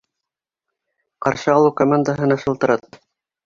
Ҡаршы алыу командаһына шылтырат.